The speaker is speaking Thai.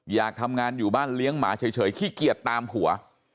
อยากทำงานอยู่บ้านเลี้ยงหมาเฉยขี้เกียจตามผัว